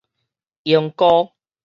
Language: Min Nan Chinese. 鶯歌